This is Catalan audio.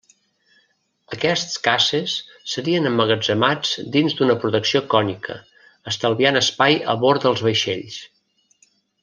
Aquests caces serien emmagatzemats dins d'una protecció cònica, estalviant espai a bord dels vaixells.